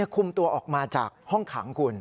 คุมตัวออกมาจากห้องขังคุณ